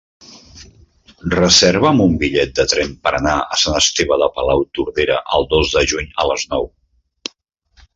Reserva'm un bitllet de tren per anar a Sant Esteve de Palautordera el dos de juny a les nou.